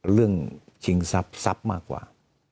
เรื่องชิงซับซับมากกว่า